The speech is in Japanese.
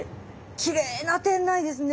きれいな店内ですね。